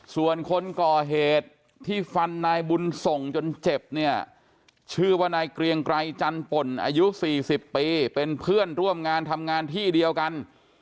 ส่วนคนก่อเหตุที่ฟันนายบุญส่งจนเจ็บเนี่ยชื่อว่านายเกรียงไกรจันป่นอายุ๔๐ปีเป็นเพื่อนร่วมงานทำงานที่เดียวกัน